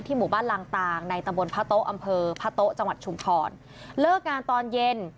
หมู่บ้านลางตางในตะบนพระโต๊ะอำเภอพระโต๊ะจังหวัดชุมพรเลิกงานตอนเย็น